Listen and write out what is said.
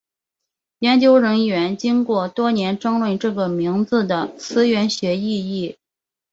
研究人员经多年争论这个名字的词源学意义。